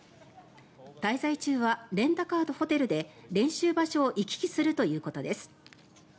滞在中はレンタカーとホテルで練習場所を行き来するということです。